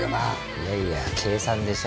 いやいや計算でしょ。